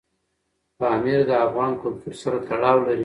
پامیر د افغان کلتور سره تړاو لري.